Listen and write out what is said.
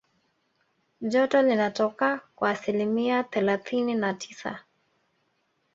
joto linatoka kwa asilimia thelathini na tisa